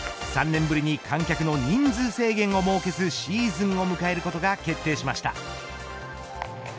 ３年ぶりに観客の人数制限を設けずシーズンを迎えることが決定しました。